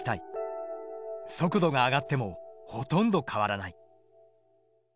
速度が上がってもほとんど変わらない。